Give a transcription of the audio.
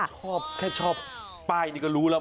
ชอบแค่ชอบป้ายนี้ก็รู้แล้ว